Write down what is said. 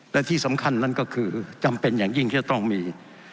และที่สำคัญนั่นก็คือจำเป็นอย่างยิ่งที่จะต้องมี